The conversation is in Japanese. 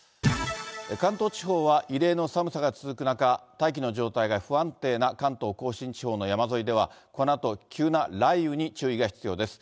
関東地方は、異例の寒さが続く中、大気の状態が不安定な関東甲信地方の山沿いでは、このあと急な雷雨に注意が必要です。